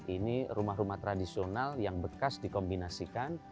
ini rumah rumah tradisional yang bekas dikombinasikan